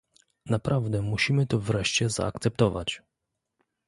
Naprawdę musimy to wreszcie zaakceptować